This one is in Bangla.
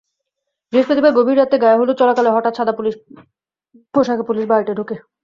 বৃহস্পতিবার গভীর রাতে গায়েহলুদ চলাকালে হঠাৎ সাদা পোশাকে পুলিশ বাড়িতে ঢোকে।